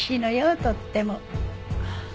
とっても。